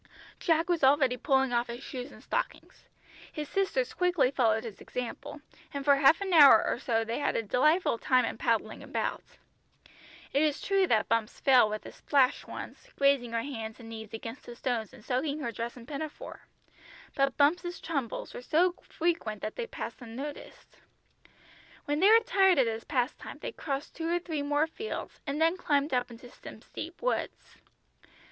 Jack was already pulling off his shoes and stockings; his sisters quickly followed his example, and for half an hour or so they had a delightful time in paddling about. It is true that Bumps fell with a splash once, grazing her hands and knees against the stones and soaking her dress and pinafore, but Bumps' tumbles were so frequent that they passed unnoticed. When they were tired of this pastime they crossed two or three more fields and then climbed up into some steep woods.